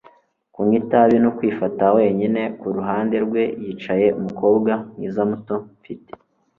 kunywa itabi no kwifata wenyine. kuruhande rwe yicaye umukobwa mwiza muto mfite